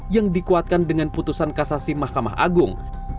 yang dikuatkan dengan putusan kasasi mahkamah agung